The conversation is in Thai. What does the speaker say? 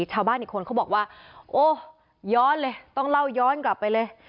ชาวบ้านอีกคนเขาบอกว่าโอ้ย้อนเลยต้องเล่าย้อนกลับไปเลย